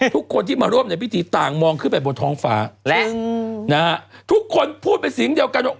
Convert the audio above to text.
ทุกคนที่มาร่วมในพิธีต่างมองขึ้นไปบนท้องฟ้าและทุกคนพูดเป็นเสียงเดียวกันว่า